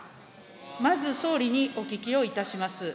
まず総理にお聞きをいたします。